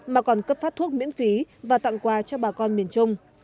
mà còn cấp phát thuốc miễn phí và tặng quà cho bà con miền trung